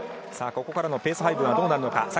ここからのペース配分がどうなるか。